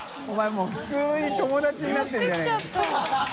もう普通に友達になってるじゃない。